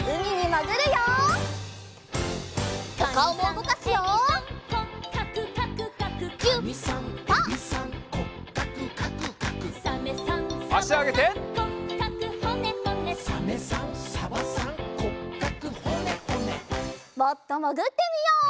もっともぐってみよう。